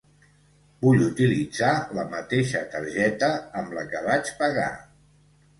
Vull utilitzar la mateixa targeta amb la que vaig pagar.